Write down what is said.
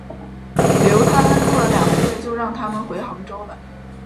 留他们住了两个月就让他们回杭州了。